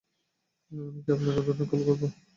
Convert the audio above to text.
আমি কি আপনার উর্ধ্বতনদের কল করবো?